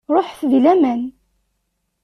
Ruḥet di laman.